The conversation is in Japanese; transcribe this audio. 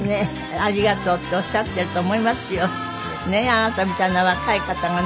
あなたみたいな若い方がね